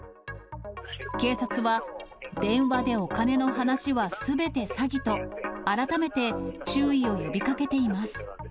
警察は、電話でお金の話はすべて詐欺と、改めて注意を呼びかけています。